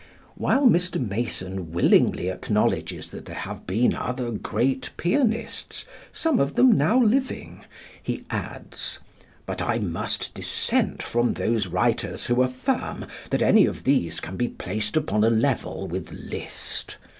While Mr. Mason willingly acknowledges that there have been other great pianists, some of them now living, he adds: "But I must dissent from those writers who affirm that any of these can be placed upon a level with Liszt.